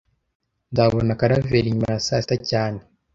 Nzabona Karaveri nyuma ya saa sita cyane